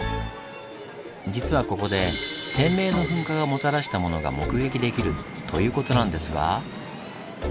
実はここで天明の噴火がもたらしたものが目撃できるということなんですが。